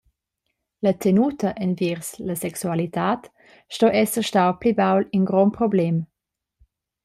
La tenuta enviers la sexualitad sto esser stau pli baul in grond problem.